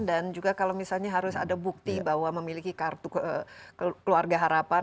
dan juga kalau misalnya harus ada bukti bahwa memiliki kartu keluarga harapan